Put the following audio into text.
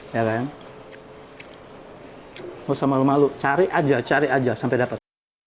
ya kan hai usah malu malu cari aja cari aja sampai dapat